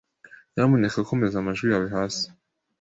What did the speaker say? Nyamuneka komeza amajwi yawe hasi.